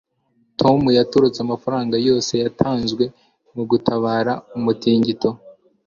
tom yatorotse amafaranga yose yatanzwe mu gutabara umutingito